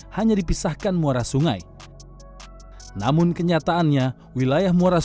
masalah penghasilannya di sini